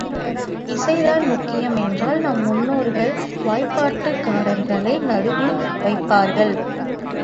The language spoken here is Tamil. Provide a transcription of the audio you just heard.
இசைதான் முக்கியம் என்றால் நம் முன்னோர்கள் வாய்ப்பாட்டுக்காரர்களை நடுவில் வைப்பார்களா?